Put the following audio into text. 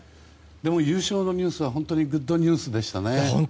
でも、優勝のニュースは本当にグッドニュースでしたね。